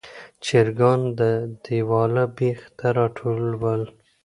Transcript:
چرګان د دیواله بیخ ته راټول ول.